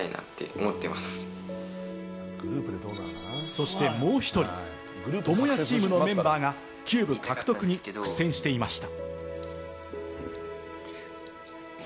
そしてもう１人、トモヤチームのメンバーがキューブ獲得に苦戦していました。